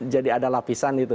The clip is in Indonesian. jadi ada lapisan gitu